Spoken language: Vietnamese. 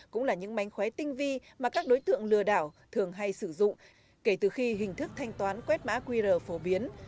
cũng là những mánh khóe tinh vi mà các đối tượng lừa đảo thường hay sử dụng kể từ khi hình thức thanh toán quét mã qr phổ biến